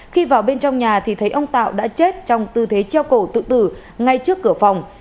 khi vào bên trong nhà thì thấy ông tạo đã chết trong tư thế treo cổ tự tử ngay trước cửa phòng